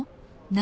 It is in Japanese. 何？